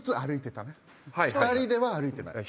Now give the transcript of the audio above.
２人では歩いてない。